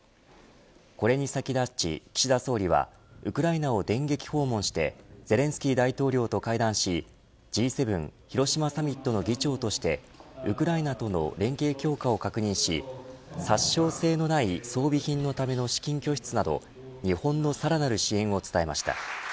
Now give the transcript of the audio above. これに先立ち、岸田総理はウクライナを電撃訪問してゼレンスキー大統領と会談しＧ７広島サミットの議長としてウクライナとの連携強化を確認し殺傷性のない装備品のための資金拠出など日本のさらなる支援を伝えました。